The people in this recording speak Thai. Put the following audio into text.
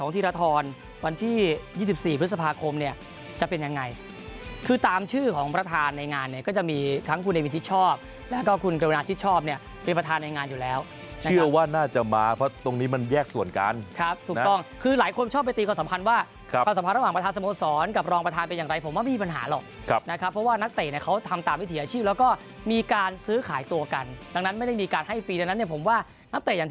ทิรธรรณวันที่๒๔ภศพคมจะเป็นยังไงคือตามชื่อของประธานในงานก็จะมีทั้งคุณเอวินทฤชอบและก็คุณเกราณาทฤชอบเป็นประธานในงานอยู่แล้วเชื่อว่าน่าจะมาเพราะตรงนี้มันแยกส่วนกันครับถูกต้องคือหลายคนชอบไปตีกับความสำคัญ